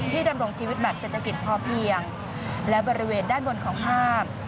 ดำรงชีวิตแบบเศรษฐกิจพอเพียงและบริเวณด้านบนของห้าง